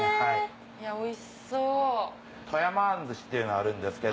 おいしそう。